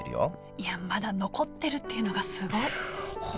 いやまだ残ってるっていうのがすごい本当に。